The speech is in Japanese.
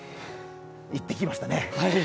行ってきましたね。